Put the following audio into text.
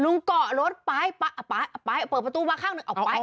ลุงเกาะรถไปปละปละปละเปิดประตูมาข้างหนึ่ง